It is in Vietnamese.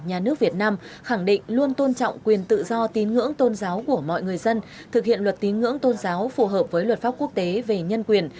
nhà nước việt nam khẳng định luôn tôn trọng quyền tự do tín ngưỡng tôn giáo của mọi người dân thực hiện luật tín ngưỡng tôn giáo phù hợp với luật pháp quốc tế về nhân quyền